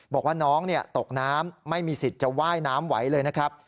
บอกว่าน้องตกน้ำไม่มีสิทธิ์จะว่ายน้ำไหวเลยนะครับ